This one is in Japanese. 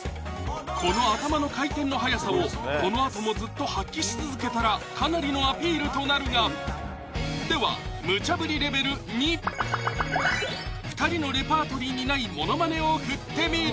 この頭の回転の速さをこのあともずっと発揮し続けたらかなりのアピールとなるがではムチャ振りレベル２２人のレパートリーにないモノマネを振ってみる！